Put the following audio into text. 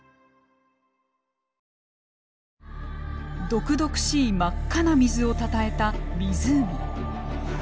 毒々しい真っ赤な水をたたえた湖。